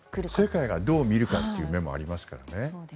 世界がどう見るかという面もありますからね。